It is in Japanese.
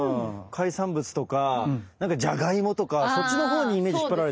海産物とかじゃがいもとかそっちのほうにイメージ引っ張られて。